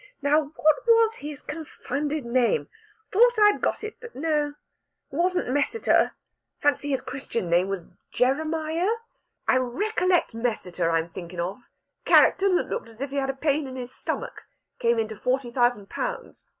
Now, what was his confounded name? Thought I'd got it but no it wasn't Messiter. Fancy his Christian name was Jeremiah.... I recollect Messiter I'm thinkin' of character that looked as if he had a pain in his stomach came into forty thousand pounds.